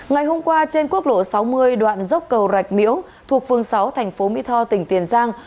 ngày hôm qua trên quốc lộ sáu mươi đoạn dốc cầu rạch miễu thuộc phương sáu thành phố mỹ tho tỉnh tiền giang